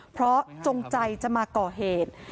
เพราะจงใจจะมาก่อเหตุ